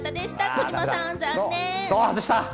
児嶋さん、残念。